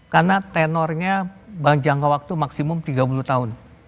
karena tenornya jangka waktu maksimum tiga puluh tahun